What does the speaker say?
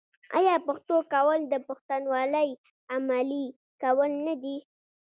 آیا پښتو کول د پښتونولۍ عملي کول نه دي؟